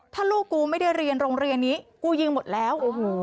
ถ้าลูกกูไม่ได้เรียนโรงเรียนนี้กูยิงหมดแล้ว